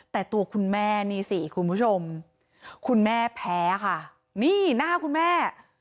แต่ตัวคุณแม่นี่สิคุณผู้ชมคุณแม่แพ้ค่ะนี่หน้าคุณแม่